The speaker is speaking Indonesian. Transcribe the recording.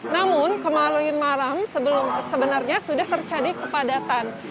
namun kemarin malam sebenarnya sudah terjadi kepadatan